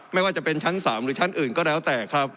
ไม่ว่าจะเป็นชั้น๓หรือชั้นอื่นก็แล้วแต่ครับ